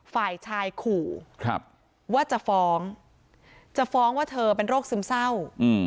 ฝ่ายชายขู่ว่าจะฟ้องจะฟ้องว่าเธอเป็นโรคซึมเศร้า